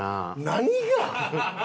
何が？